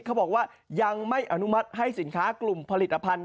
เขาบอกว่ายังไม่อนุมัติให้สินค้ากลุ่มผลิตภัณฑ์